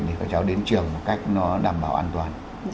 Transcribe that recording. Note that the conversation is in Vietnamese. để các cháu đến trường một cách nó đảm bảo an toàn